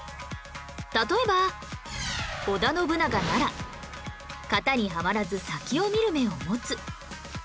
例えば織田信長なら「型にはまらず先を見る目をもつ」